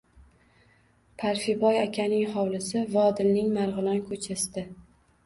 Parfiboy akaning hovlisi Vodilning Marg’ilon ko’chasida